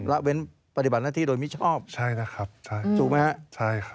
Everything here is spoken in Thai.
ละเว้นปฏิบัติหน้าที่โดยมิชอบถูกไหมครับใช่นะครับใช่ครับ